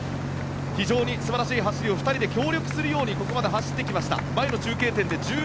非常に素晴らしい走りを２人で協力するようにここまで続けてきました。